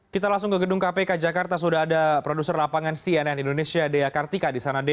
kita langsung ke gedung kpk jakarta sudah ada produser lapangan cnn indonesia dea kartika di sana